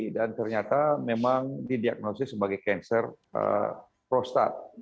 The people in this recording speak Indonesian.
dan ternyata memang didiagnosis sebagai cancer prostat